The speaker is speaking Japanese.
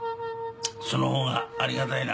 そのほうがありがたいな。